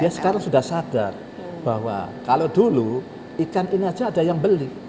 dia sekarang sudah sadar bahwa kalau dulu ikan ini saja ada yang beli